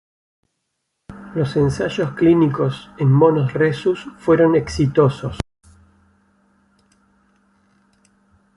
Los ensayos clínicos en monos Rhesus fueron exitosos.